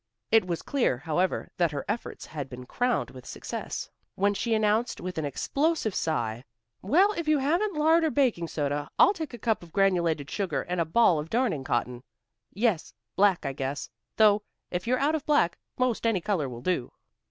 It was clear, however, that her efforts had been crowned with success, when she announced with an explosive sigh, "Well, if you haven't lard or baking soda, I'll take a cup of granulated sugar, and a ball of darning cotton. Yes, black, I guess, though if you're out of black, 'most any color will do."